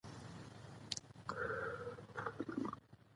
په افغانستان کې د چنګلونه لپاره طبیعي شرایط مناسب دي.